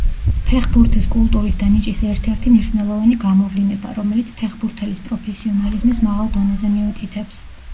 ფეხბურთის კულტურის და ნიჭის ერთ-ერთი მნიშვნელოვანი გამოვლინება, რომელიც ფეხბურთელის პროფესიონალიზმის მაღალ დონეზე მიუთითებს.